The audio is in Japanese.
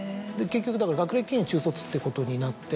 結局だから学歴的には中卒ってことになって。